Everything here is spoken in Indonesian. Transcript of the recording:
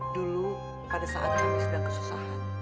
dulu pada saat camis dan kesusahan